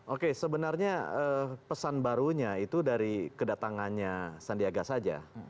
oke sebenarnya pesan barunya itu dari kedatangannya sandiaga saja